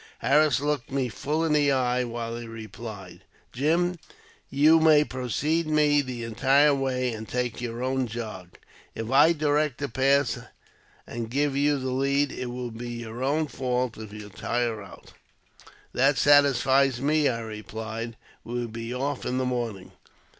Harris looked me full in the eye while he replied, " Jim, you may precede me the entire way, and take your own jog. If I direct the path, and give you the lead, it will be your own fault if you tire out." " That satisfies me," I replied : "we will be off in the morning."